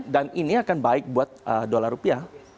dan ini akan baik buat dolar rupiah